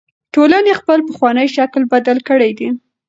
ټولنې خپل پخوانی شکل بدل کړی دی.